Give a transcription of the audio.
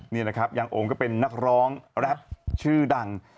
นี่นะครับยังโอมก็เป็นนักร้องแรปชื่อดัง